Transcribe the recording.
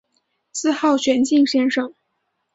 自号玄静先生。